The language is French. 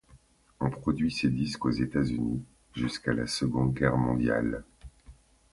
On produit ces disques aux États-Unis jusqu’à la Seconde Guerre mondiale.